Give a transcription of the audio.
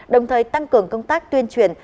đồng thời tăng cường công tác tuyên truyền